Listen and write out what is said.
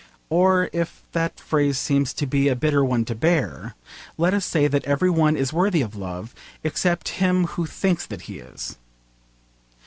Or if that phrase seems to be a bitter one to bear, let us say that every one is worthy of love, except him who thinks that he is.